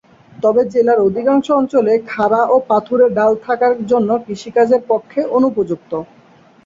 তবে জেলার অধিকাংশ অঞ্চলেই খাড়া ও পাথুরে ঢাল থাকার জন্য কৃষিকাজের পক্ষে অনুপযুক্ত।